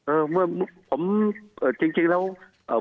เออเมื่อผมจริงแล้ว